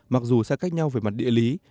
mặc dù sẽ cách nhau về mặt địa lý